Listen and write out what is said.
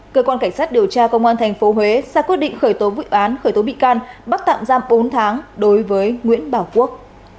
cơ quan cảnh sát điều tra công an tp huế ra quyết định khởi tố vụ án khởi tố bị can bắt tạm giam bốn tháng đối với nguyễn bảo quốc